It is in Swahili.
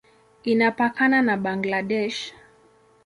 Inapakana na Bangladesh.